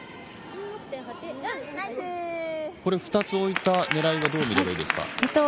２つ置いたねらいは何ですか？